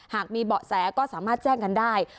หากมีเบาะแสก็สามารถแจ้งกันได้